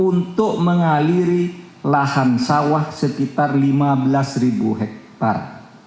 untuk mengaliri lahan sawah sekitar lima belas ribu hektare